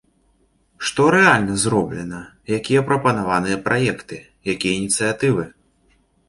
Што рэальна зроблена, якія прапанаваныя праекты, якія ініцыятывы?